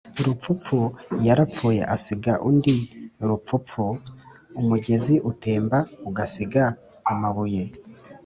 Rupfupfu yarapfuye asiga undi Rupfupfu.-Umugezi utemba ugasiga amabuye.